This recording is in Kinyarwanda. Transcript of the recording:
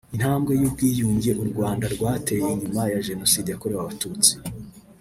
Intambwe y’ubwiyunge u Rwanda rwateye nyuma ya Jenoside yakorewe Abatutsi